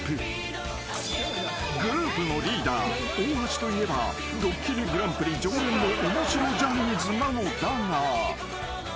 ［グループのリーダー大橋といえば『ドッキリＧＰ』常連の面白ジャニーズなのだが］